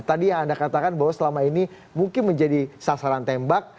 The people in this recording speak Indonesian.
tadi yang anda katakan bahwa selama ini mungkin menjadi sasaran tembak